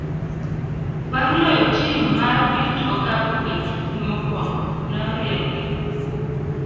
bang' loyo tim mar opich okapu e tukgi mokwongo, ne oriembgi.